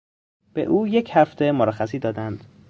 به او یک هفته مرخصی دادند.